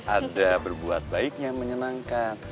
ada berbuat baik yang menyenangkan